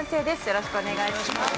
よろしくお願いします。